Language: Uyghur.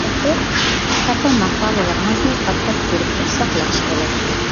سەرخىل ماقالىلىرىڭىزنى پات-پات كۆرۈپ تۇرساق ياخشى بولاتتى.